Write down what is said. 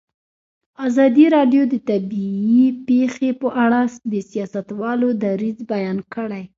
ازادي راډیو د طبیعي پېښې په اړه د سیاستوالو دریځ بیان کړی.